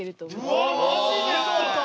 うわマジですか！